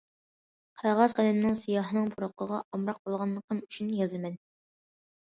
قەغەز- قەلەمنىڭ، سىياھنىڭ پۇرىقىغا ئامراق بولغانلىقىم ئۈچۈن يازىمەن.